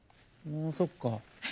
そっか。